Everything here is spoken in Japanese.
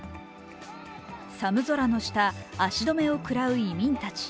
寒空の下、足止めを食らう移民たち。